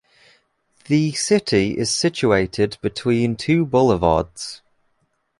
The city is situated between two boulevards.